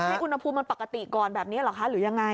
ให้อุณหภูมิมันปกติก่อนแบบนี้เหรอคะหรือยังไง